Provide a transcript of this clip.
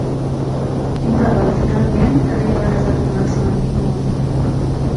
Comproven finalment que no hi ha ganes de tornar al seu antic món.